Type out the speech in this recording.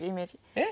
えっ？